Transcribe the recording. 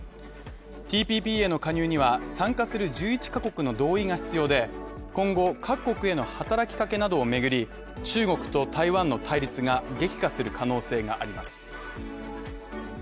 ＴＰＰへの加入には参加する１１ヶ国の同意が必要で、今後、各国への働きかけなどをめぐり、中国と台湾の対立が激化する可能性があります。